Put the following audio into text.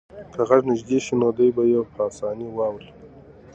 که غږ نږدې شي نو دی به یې په اسانۍ واوري.